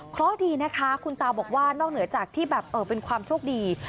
เพราะดีนะคะคุณตาบอกว่านอกเหนือจากที่แบบเป็นความโชคดี